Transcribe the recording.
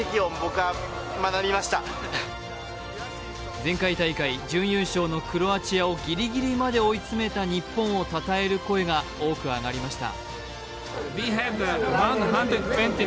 前回大会準優勝のクロアチアをギリギリまで追い詰めた日本をたたえる声が多く上がりました。